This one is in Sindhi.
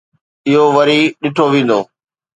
اهو وري ڏٺو ويندو.